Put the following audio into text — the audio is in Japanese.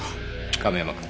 亀山君。